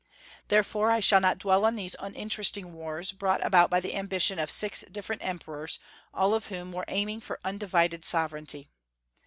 Therefore I shall not dwell on these uninteresting wars, brought about by the ambition of six different emperors, all of whom were aiming for undivided sovereignty.